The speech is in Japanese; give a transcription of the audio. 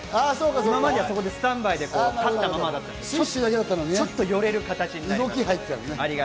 今まであそこでスタンバイで立ったままだったんですけどね、ちょっと寄れる形になりました。